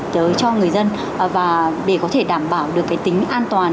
tới cho người dân và để có thể đảm bảo được cái tính an toàn